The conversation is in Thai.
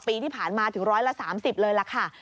ปีที่ผ่านมาถึงร้อยละ๓๐เลยล่ะค่ะ